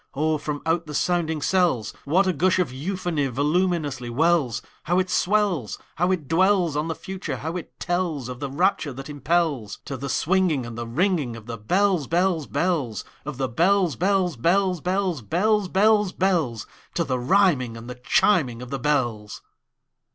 Oh, from out the sounding cells, What a gush of euphony voluminously wells! How it swells! How it dwellsOn the Future! how it tellsOf the rapture that impelsTo the swinging and the ringingOf the bells, bells, bells, Of the bells, bells, bells, bells, Bells, bells, bells—To the rhyming and the chiming of the bells!